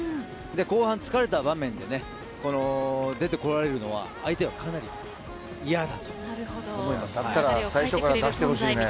後半疲れた場面で出てこられるのは相手はかなり嫌だと。